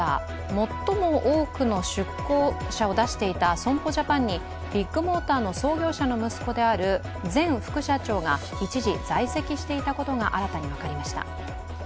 最も多くの出向者を出していた損保ジャパンにビッグモーターの創業者の息子である前副社長が一時在籍していたことが新たに分かりました。